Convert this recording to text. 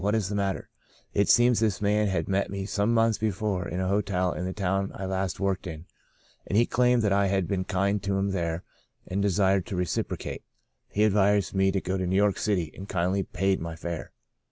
What is the matter ?' It seems this man had met me some months before in a hotel in the town I last worked in, and he claimed that I had been kind to him there and desired to reciprocate. He advised me to go to New York City, and kindly paid my fare.